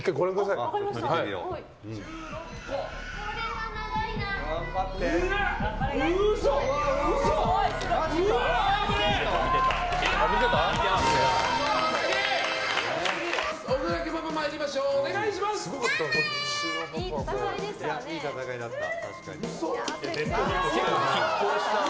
いい戦いだった。